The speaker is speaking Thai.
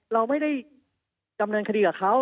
เราไม่ได้ดำเนินคดีกับเขา